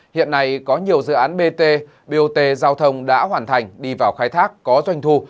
hiện nay có nhiều dự án bt bot giao thông đã hoàn thành đi vào khai thác có doanh thu